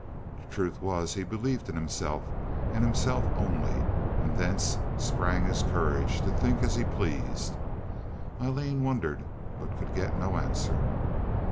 The truth was he believed in himself, and himself only, and thence sprang his courage to think as he pleased. Aileen wondered, but could get no answer.